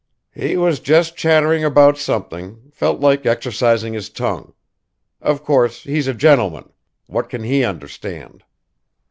"He was just chattering about something, felt like exercising his tongue. Of course, he's a gentleman. What can he understand?"